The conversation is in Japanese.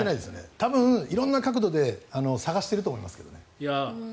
多分、色んな角度で探していると思いますけどね。